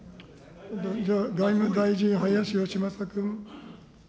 外務大臣、林芳正君。